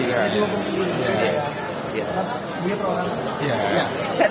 mereka punya hukum sendiri